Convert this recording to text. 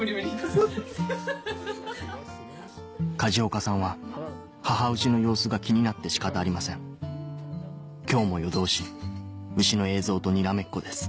梶岡さんは母牛の様子が気になって仕方ありません今日も夜通し牛の映像とにらめっこです